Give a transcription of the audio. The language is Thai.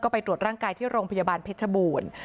ไปตรวจร่างกายที่โรงพยาบาลเพชรบูรณ์